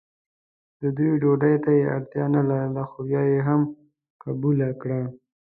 د دوی ډوډۍ ته یې اړتیا نه لرله خو بیا یې هم قبوله کړه.